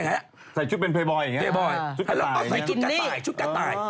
แล้วคือใส่ชุดกระต่าย